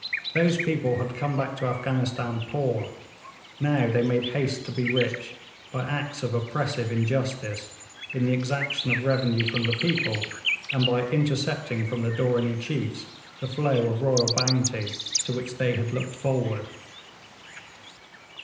Those people had come back to Afghanistan poor; now they made haste to be rich by acts of oppressive injustice, in the exaction of revenue from the people, and by intercepting from the Dooranee chiefs the flow of royal bounty to which they had looked forward.